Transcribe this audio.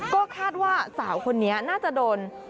ก็คาดว่าสาวคนนี้น่าจะโดน